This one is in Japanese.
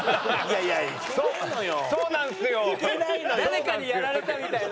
誰かにやられたみたいな？